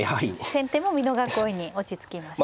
先手も美濃囲いに落ち着きましたね。